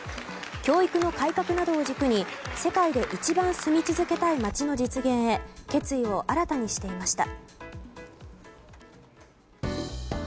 教育の改革などを軸に世界で一番住み続けたい街の実現へ決意を新たにしていました。